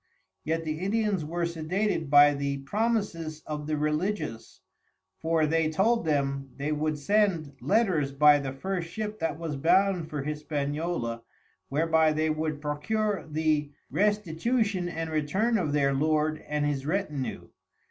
Yet the Indians were sedated by the promises of the Religious; for they told them, they would send Letters by the first Ship that was bound for Hispaniola, whereby they would procure the Restitution and Return of their Lord and his Retinue.